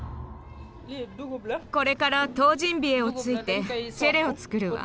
これからトウジンビエをついてチェレを作るわ。